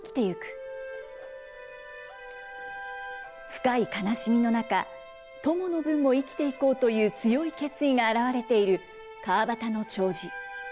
深い悲しみの中、友の分も生きていこうという強い決意が表れている、川端の弔辞。